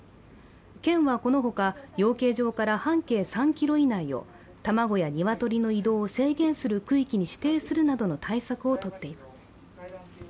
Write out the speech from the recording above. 県はこのほか、養鶏場から半径３ｋｍ以内を卵や鶏の移動を制限する区域に指定するなどの対策をとっています。